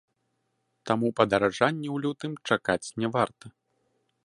Таму падаражання ў лютым чакаць не варта.